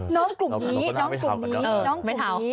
น้องกลุ่มนี้